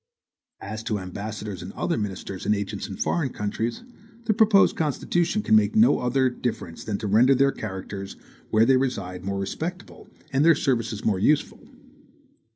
As to ambassadors and other ministers and agents in foreign countries, the proposed Constitution can make no other difference than to render their characters, where they reside, more respectable, and their services more useful.